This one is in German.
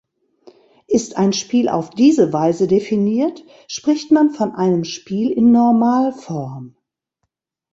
Ist ein Spiel auf diese Weise definiert, spricht man von einem Spiel in Normalform.